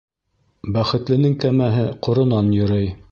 Бәхетленең кәмәһе ҡоронан йөрөй.